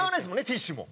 ティッシュも。